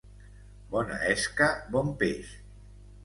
Bona esca, bon peix.